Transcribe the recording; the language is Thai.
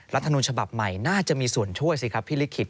รัฐมนุนฉบับใหม่น่าจะมีส่วนช่วยสิครับพี่ลิขิต